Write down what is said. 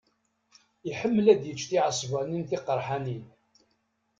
Iḥemmel ad yečč tiɛesbanin tiqeṛḥanin.